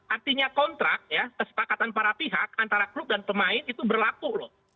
artinya kontrak ya kesepakatan para pihak antara klub dan pemain itu berlaku loh